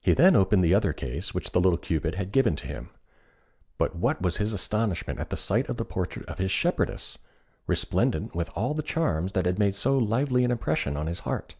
He then opened the other case which the little Cupid had given to him; but what was his astonishment at the sight of the portrait of his shepherdess, resplendent with all the charms that had made so lively an impression on his heart!